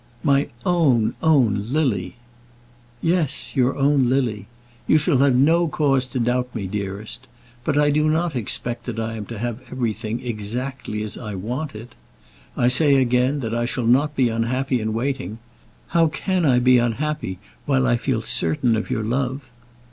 "My own, own Lily!" "Yes, your own Lily. You shall have no cause to doubt me, dearest. But I do not expect that I am to have everything exactly as I want it. I say again, that I shall not be unhappy in waiting. How can I be unhappy while I feel certain of your love?